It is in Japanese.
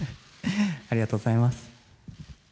ありがとうございます。